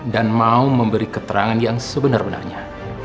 dan mau memberi keterangan yang sebenar benarnya